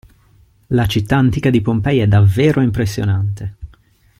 La città antica di Pompei è davvero impressionante!